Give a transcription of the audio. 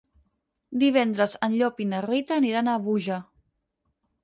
Divendres en Llop i na Rita aniran a Búger.